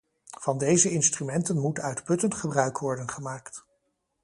Van deze instrumenten moet uitputtend gebruik worden gemaakt.